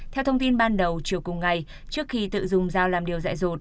theo thông tin ban đầu chiều cùng ngày trước khi tự dùng dao làm điều dạy rột